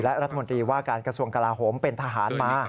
และรัฐมนตรีว่าการกระทรวงกลาโหมเป็นทหารมา